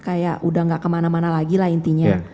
kayak udah gak kemana mana lagi lah intinya